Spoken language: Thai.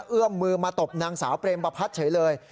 เอื้อมมือมาตบนางสาวเปรมประพัฒน์เฉยเลย